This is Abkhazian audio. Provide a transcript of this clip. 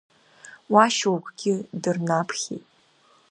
Уа, шьоукгьы дырнаԥхеит.